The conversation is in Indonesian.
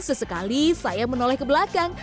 sesekali saya menoleh ke belakang